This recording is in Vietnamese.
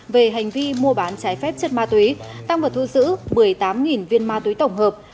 về hành vi mua bán trái phép chất ma túy tăng vật thu giữ một mươi tám viên ma túy tổng hợp